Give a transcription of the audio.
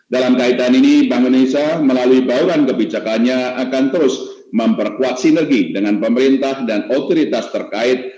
dalam kaitan ini bank indonesia melalui bauran kebijakannya akan terus memperkuat sinergi dengan pemerintah dan otoritas terkait